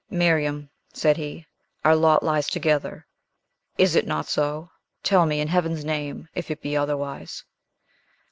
"Miriam," said he, "our lot lies together. Is it not so? Tell me, in Heaven's name, if it be otherwise."